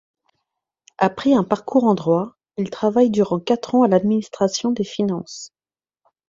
Après un parcours en droit, il travaille durant quatre ans à l’administration des Finances.